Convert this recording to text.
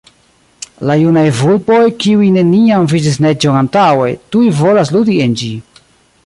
La junaj vulpoj, kiuj neniam vidis neĝon antaŭe, tuj volas ludi en ĝi.